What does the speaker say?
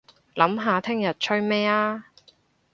諗下聽日吹咩吖